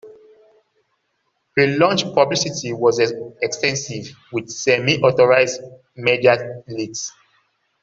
Pre-launch publicity was extensive, with semi-authorized media leaks.